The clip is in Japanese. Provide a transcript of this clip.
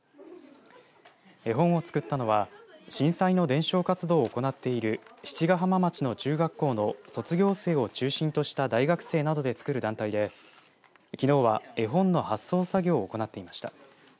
絵本を作ったのは震災の伝承活動を行っている七ヶ浜町の中学校の卒業生を中心とした大学生などで作る団体で、きのうは絵本の発送作業を行っていました。